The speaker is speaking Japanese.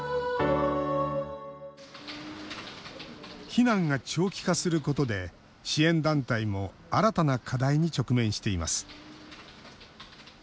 避難が長期化することで支援団体も新たな課題に直面しています。